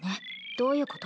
どういうこと？